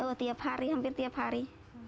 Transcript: kalau tiap hari hampir tiap hari